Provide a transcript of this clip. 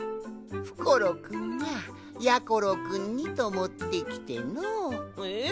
ふころくんがやころくんにともってきての。え！？